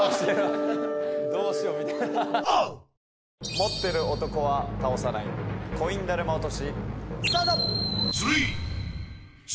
持ってる男は倒さないコインだるま落とし。